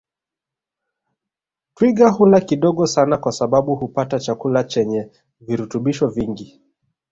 Twiga hula kidogo sana kwa sababu hupata chakula chenye virutubisho vingi